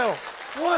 おい。